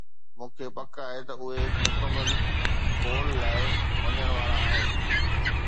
مون کي پڪ آهي ته اهي هڪ مڪمل بول لاء وڃڻ وارا آهن